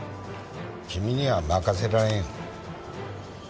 君には任せられん。